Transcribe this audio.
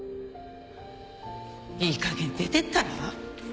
いいかげん出てったら？